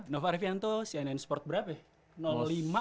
novar fianto cnn sport berapa ya